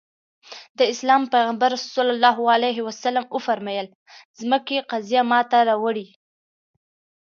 د اسلام پيغمبر ص وفرمايل ځمکې قضيه ماته راوړي.